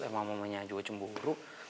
emang mama nyajwa cemburu